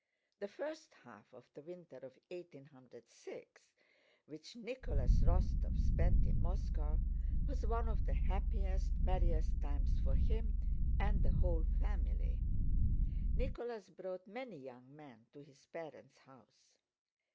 The first half of the winter of 1806, which Nicholas Rostóv spent in Moscow, was one of the happiest, merriest times for him and the whole family. Nicholas brought many young men to his parents' house.